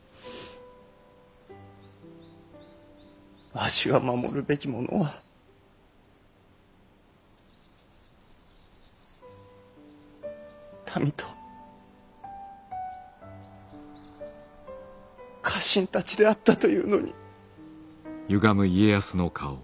わしが守るべきものは民と家臣たちであったというのに！